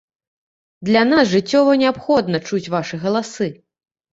Для нас жыццёва неабходна чуць вашы галасы!